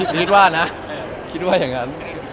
คิดว่านะคิดว่าอย่างนั้น